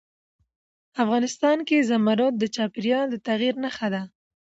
افغانستان کې زمرد د چاپېریال د تغیر نښه ده.